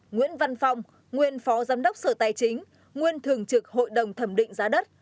một nguyễn văn phong nguyên phó giám đốc sở tài chính nguyên thường trực hội đồng thẩm định giá đất